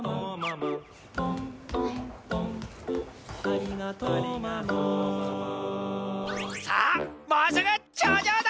「とんとんとんありがとママ」さあもうすぐちょうじょうだ！